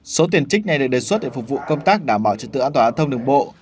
số tiền trích này được đề xuất để phục vụ công tác đảm bảo trật tự an toàn an thông đường bộ